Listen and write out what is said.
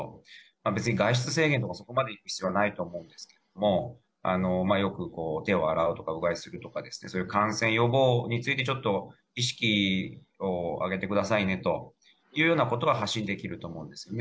別に外出制限とか、そこまでいく必要はないと思うんですけれども、よく、手を洗うとかうがいするとか、そういう感染予防について、ちょっと意識を上げてくださいねというようなことは発信できると思うんですね。